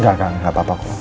gak gak gak